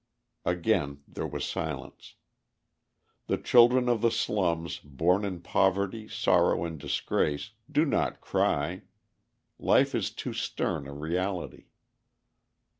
Again there was silence. The children of the slums, born in poverty, sorrow, and disgrace, do not cry. Life is too stern a reality.